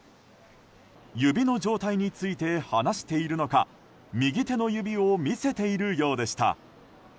指の状態について話しているのか右手の指を見せているようでした。